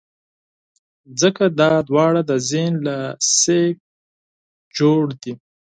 ځکه دا دواړه د ذهن له انرژۍ جوړ دي.